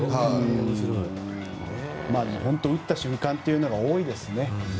打った瞬間というのが多いですね。